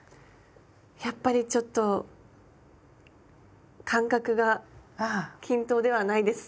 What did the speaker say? やっぱりちょっと間隔が均等ではないです。